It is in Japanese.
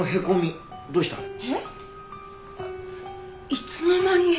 いつの間に。